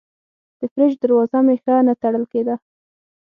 د فریج دروازه مې ښه نه تړل کېده.